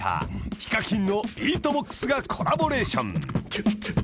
ＨＩＫＡＫＩＮのビートボックスがコラボレーション］